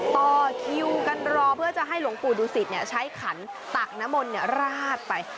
ต่อคิวกันรอเพื่อจะให้หลวงปู่ดูสิตใช้ขันตักน้ำมนต์ราดไป